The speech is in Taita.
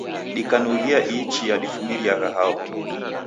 Dikanughia ihi chia difumiriagha hao?